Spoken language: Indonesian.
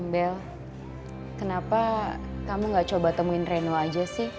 bel kenapa kamu gak coba temuin reno aja sih